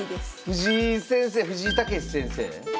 藤井先生藤井猛先生？